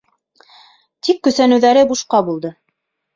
Тик көсәнеүҙәре бушҡа булды.